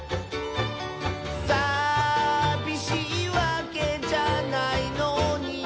「さびしいわけじゃないのに」